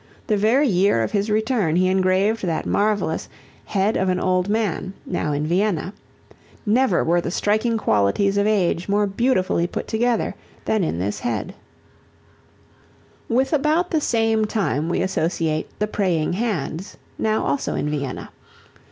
The very year of his return he engraved that marvellous "Head of an Old Man," now in Vienna. Never were the striking qualities of age more beautifully put together than in this head. [Illustration: MELANCHOLY Durer] With about the same time we associate "The Praying Hands," now also in Vienna.